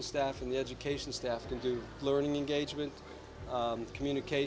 dan membawa informasi kembali ke panggilan kami